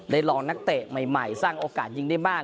ลองนักเตะใหม่สร้างโอกาสยิงได้มาก